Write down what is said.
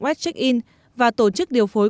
web check in và tổ chức điều phối